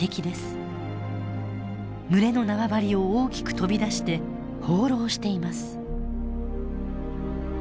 群れの縄張りを大きく飛び出して放浪しています。